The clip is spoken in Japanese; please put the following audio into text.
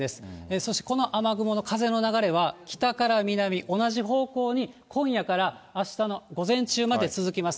そしてこの雨雲の風の流れは、北から南、同じ方向に、今夜からあしたの午前中まで続きます。